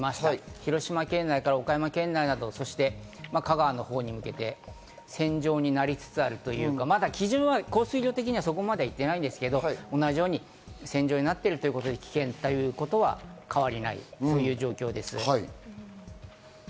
広島県内から岡山県内など、そして香川のほうに向けて線状になりつつあるというか、降水量的にはそこまでまだ行ってないんですけど、同じように線状になっているということで危険帯ということは変わりがない状況です。